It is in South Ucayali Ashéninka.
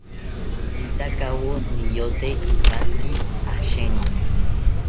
Nitakawo niyote ipante asheninka